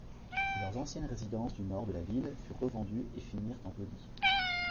Leurs anciennes résidences du nord de la ville furent revendues et finirent en taudis.